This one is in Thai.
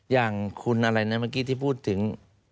อย่างคุณอะไรนะเมื่อกี้ที่พูดถึง